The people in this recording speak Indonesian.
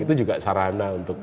itu juga sarana untuk